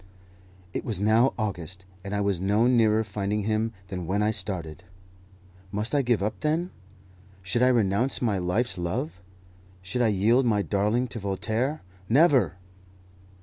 It was now August, and I was no nearer finding him than when I started. Must I give up, then? Should I renounce my life's love? Should I yield my darling to Voltaire? Never!